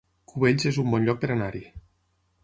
Cubells es un bon lloc per anar-hi